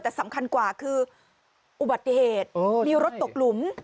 แต่สำคัญกว่าคืออุบัติเหตุมีรถตกหลุม